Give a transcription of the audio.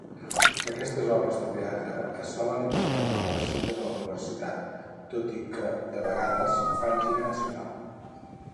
Aquestes obres de teatre es solen interpretar al recinte de la universitat, tot i que de vegades fan gira nacional.